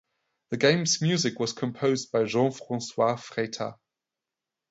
The game's music was composed by Jean-Francois Freitas.